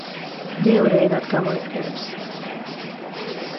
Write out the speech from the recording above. მეორე ენად გამოიყენებს.